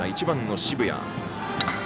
１番の澁谷。